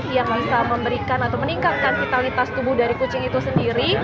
yang bisa memberikan atau meningkatkan vitalitas tubuh dari kucing itu sendiri